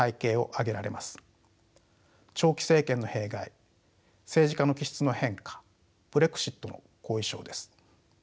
「長期政権の弊害」「政治家の気質の変化」「ブレグジットの後遺症」です。